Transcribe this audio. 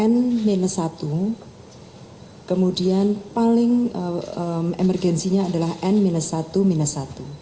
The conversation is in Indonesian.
n minus satu kemudian paling emergensinya adalah n minus satu minus satu